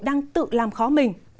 đang tự làm khó mình